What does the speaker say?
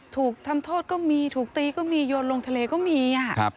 ถูกทำโทษก็มีถูกตีก็มีโยนลงทะเลก็มี